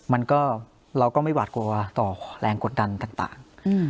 เราก็เราก็ไม่หวาดกลัวต่อแรงกดดันต่าง